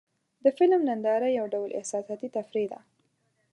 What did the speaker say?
د فلم ننداره یو ډول احساساتي تفریح ده.